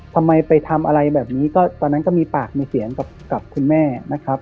ทำไมไปทำอะไรแบบนี้ก็ตอนนั้นก็มีปากมีเสียงกับคุณแม่นะครับ